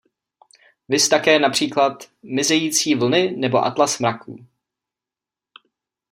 Viz také například Mizející vlny nebo Atlas mraků.